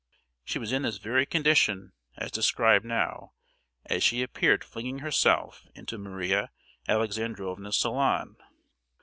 She was in this very condition, as described, now, as she appeared flinging herself into Maria Alexandrovna's salon.